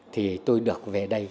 thì tôi được về đây